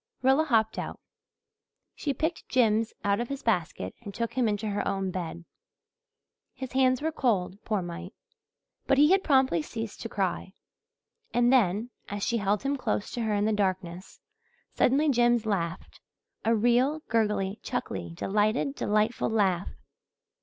Rilla hopped out. She picked Jims out of his basket and took him into her own bed. His hands were cold, poor mite. But he had promptly ceased to cry. And then, as she held him close to her in the darkness, suddenly Jims laughed a real, gurgly, chuckly, delighted, delightful laugh.